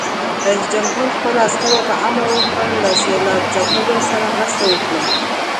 رئیس جمهور خپلو عسکرو ته امر وکړ؛ له سېلاب ځپلو سره مرسته وکړئ!